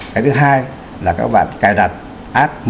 cái thứ hai là các bạn cài đặt app một trăm một mươi bốn